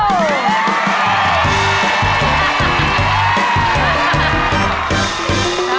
สวัสดีค่ะพี่ตี